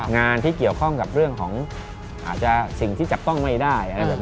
งานที่เกี่ยวข้องกับเรื่องของอาจจะสิ่งที่จับต้องไม่ได้อะไรแบบนี้